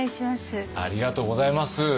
ありがとうございます。